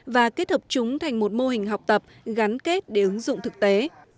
và kết hợp chúng thành một mô hình học tập gắn kết để ứng dụng thực tế